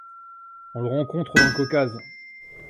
On le rencontre dans le Caucase.